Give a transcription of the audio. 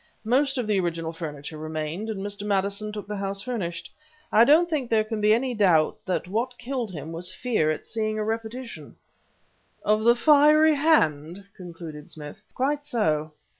Most of the original furniture remained, and Mr. Maddison took the house furnished. I don't think there can be any doubt that what killed him was fear at seeing a repetition " "Of the fiery hand?" concluded Smith. "Quite so.